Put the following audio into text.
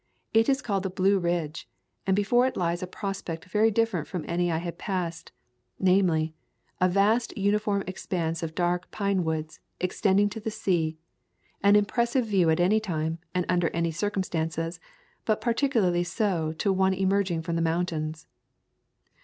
It is called the Blue Ridge and before it lies a prospect very different from any I had passed, namely, a vast uniform expanse of dark pine woods, extending to the sea; an impressive view at any time and under any circumstances, but particularly so to one emerging from the mountains.